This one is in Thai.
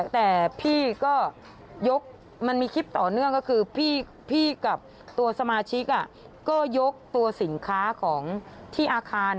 แต่พี่ก็ยกมันมีคลิปต่อเนื่องก็คือพี่กับตัวสมาชิกก็ยกตัวสินค้าของที่อาคาร